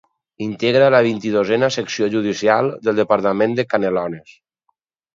Integra la vint-i-dosena Secció Judicial del departament de Canelones.